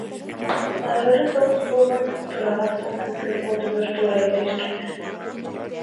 Сааһыары соҕус буолан, тураҕас сылгы күн уотугар туорайдыыр кэмэ